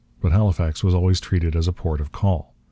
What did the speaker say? But Halifax was always treated as a port of call.